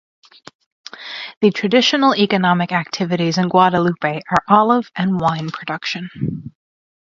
The traditional economic activities in Guadalupe are olive and wine production.